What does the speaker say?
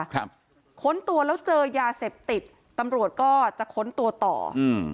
ครับค้นตัวแล้วเจอยาเสพติดตำรวจก็จะค้นตัวต่ออืม